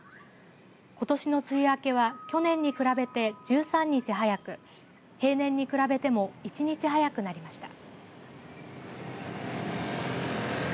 ことしの梅雨明けは去年に比べて１３日早く平年に比べても１日早くなりました。